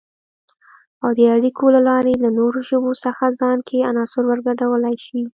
او د اړیکو له لارې له نورو ژبو څخه ځان کې عناصر ورګډولای شي